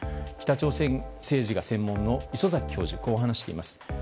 北朝鮮政治が専門の礒崎教授はこう話しています。